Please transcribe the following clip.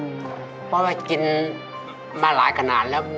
เพราะว่ากินมาหลายขนาดแล้ว